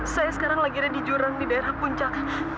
saya sekarang lagi ada di jurang di daerah puncak